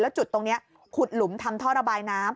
จุดตรงนี้ขุดหลุมทำท่อระบายน้ำ